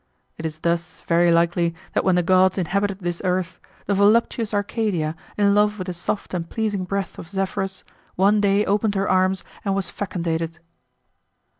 It is thus, very likely, that when the gods inhabited this earth, the voluptuous Arcadia, in love with the soft and pleasing breath of Zephyrus, one day opened her arms, and was fecundated.